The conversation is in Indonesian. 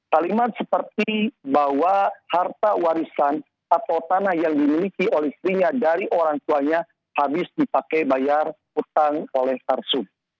kalimat seperti bahwa harta warisan atau tanah yang dimiliki oleh istrinya dari orang tuanya habis dipakai bayar utang oleh sarsum